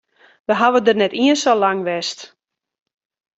We hawwe dêr net iens sa lang west.